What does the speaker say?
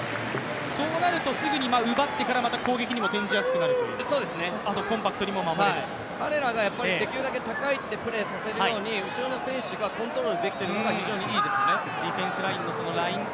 そうなると、すぐに奪ってから攻撃にも転じやすくなるあとコンパクトに守れる彼らができるだけ高い位置でプレーできるように後ろの選手たちがコントロールできているのが非常にいいですよね。